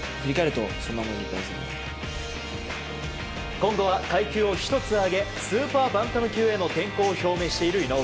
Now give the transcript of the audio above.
今後は階級を１つ上げスーパーバンタム級への転向を表明している井上。